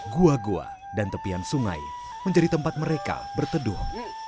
gua gua dan tepian sungai menjadi tempat mereka berteduh